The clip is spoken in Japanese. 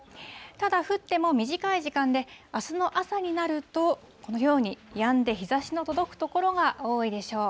ただ、降っても短い時間で、あすの朝になると、このようにやんで、日ざしの届く所が多いでしょう。